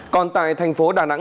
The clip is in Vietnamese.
còn tại thành phố đà nẵng